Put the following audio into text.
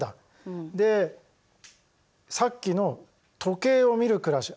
でさっきの時計を見る暮らし